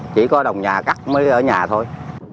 chỉ có đồng nhà cắt mới ở nhà thôi